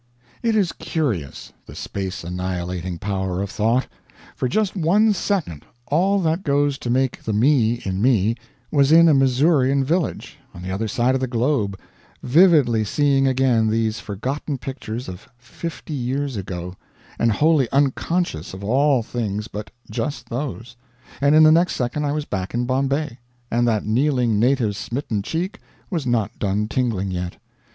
It is curious the space annihilating power of thought. For just one second, all that goes to make the me in me was in a Missourian village, on the other side of the globe, vividly seeing again these forgotten pictures of fifty years ago, and wholly unconscious of all things but just those; and in the next second I was back in Bombay, and that kneeling native's smitten cheek was not done tingling yet!